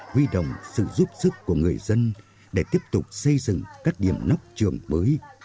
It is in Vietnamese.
huy động sự giúp sức của người dân để tiếp tục xây dựng các điểm nóc trường mới